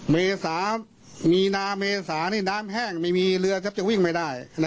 เมษามีนาเมษานี่น้ำแห้งไม่มีเรือแทบจะวิ่งไม่ได้